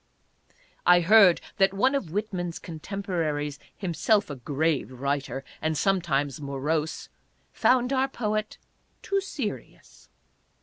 3 2 ADDBESSES. I heard that one of Whitman's contemporaries, himself a grave writer, and sometimes morose, found our poet too serious.